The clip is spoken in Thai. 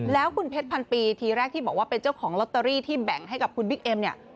แล้วคุณเพชรพันปีทีแรกที่บอกว่าเป็นเจ้าของลอตเตอรี่ที่แบ่งให้กับคุณบิ๊กเอ็มเนี่ย